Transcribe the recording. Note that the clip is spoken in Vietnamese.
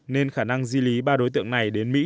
nên khả năng di lý ba đối tượng này đến mỹ